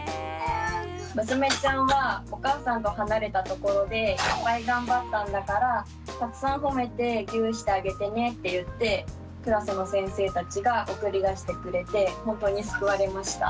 「娘ちゃんはお母さんと離れたところでいっぱい頑張ったんだからたくさん褒めてギューしてあげてね」って言ってクラスの先生たちが送り出してくれてほんとに救われました。